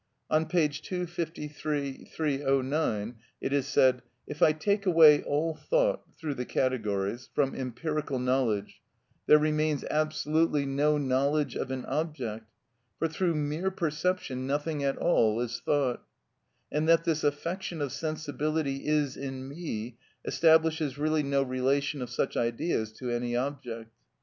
On p. 253; V. 309, it is said: "If I take away all thought (through the categories) from empirical knowledge, there remains absolutely no knowledge of an object, for through mere perception nothing at all is thought, and that this affection of sensibility is in me establishes really no relation of such ideas to any object."